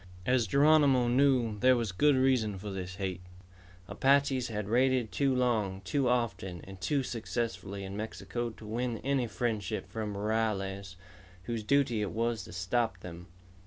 As Geronimo knew, there was good reason for this hate. Apaches had raided too long, too often, and too successfully in Mexico to win any friendship from rurales whose duty it was to stop them.